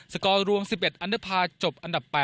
สกรวม๑๑อันดับ๘